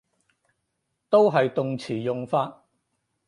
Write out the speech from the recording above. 都係動詞用法